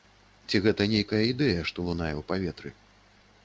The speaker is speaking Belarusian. Ці гэта нейкая ідэя, што лунае ў паветры.